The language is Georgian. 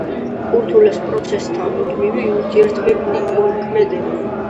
ურთულეს პროცესთა მუდმივი ურთიერთქმედება.